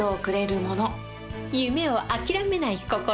夢を諦めない心。